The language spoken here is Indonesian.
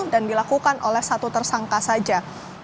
dan dilakukan oleh satu tersangka saja